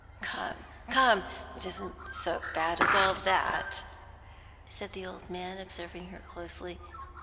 "Come, come, it isn't so bad as all that," said the old man, observing her closely.